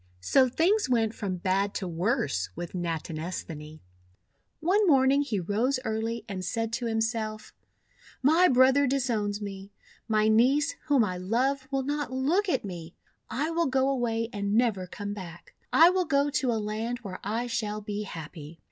So things went from bad to worse with Nat inesthani. One morning he rose early and said to himself: — 'My brother disowns me. My niece, whom I love, will not look at me. I will go away and never come back. I will go to a land where I shall be happy."